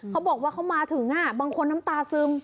เขาบอกว่าเขามาถึงบางคนน้ำตาซึม